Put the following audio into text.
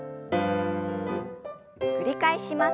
繰り返します。